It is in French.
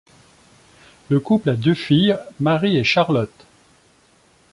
Le couple a deux filles, Marie et Charlotte.